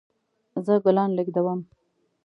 زه ګلان لیږدوم